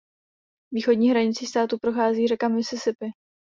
Východní hranicí státu prochází řeka Mississippi.